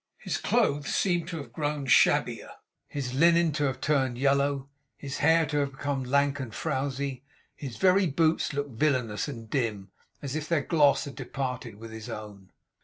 His clothes seemed to have grown shabbier, his linen to have turned yellow, his hair to have become lank and frowsy; his very boots looked villanous and dim, as if their gloss had departed with his own.